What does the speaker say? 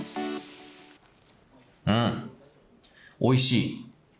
うん、おいしい。